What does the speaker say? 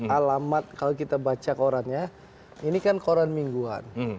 alamat kalau kita baca korannya ini kan koran mingguan